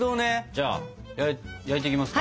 じゃあ焼いていきますか。